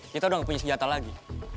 kita udah gak punya senjata lagi